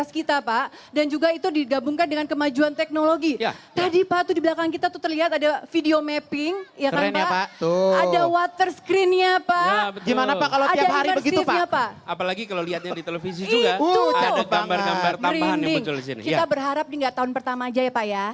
kita berharap hingga tahun pertama aja ya pak ya